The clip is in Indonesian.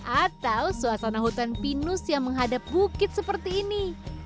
atau suasana hutan pinus yang menghadap bukit seperti ini